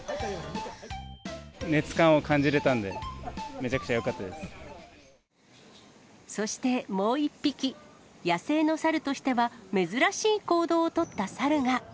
熱感を感じれたんでめちゃくそしてもう１匹、野生のサルとしては珍しい行動を取ったサルが。